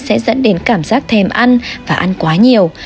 sẽ dẫn đến cảm giác thèm ăn và ăn quá nhiều